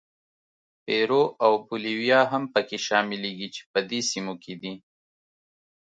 پیرو او بولیویا هم پکې شاملېږي چې په دې سیمو کې دي.